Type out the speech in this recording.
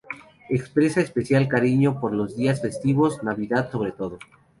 Expresa especial cariño por los días festivos, Navidad sobre todo.